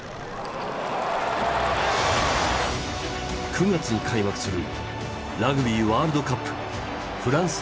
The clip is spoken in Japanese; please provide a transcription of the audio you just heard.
９月に開幕するラグビーワールドカップフランス大会。